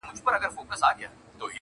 • ما هم لرله په زړه کي مینه -